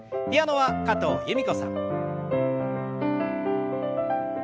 ピアノは加藤由美子さん。